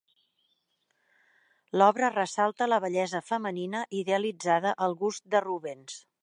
L'obra ressalta la bellesa femenina, idealitzada al gust de Rubens.